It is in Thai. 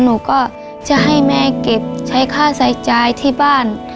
หนูก็จะให้แม่เก็บใช้ค่าใช้จ่ายที่บ้าน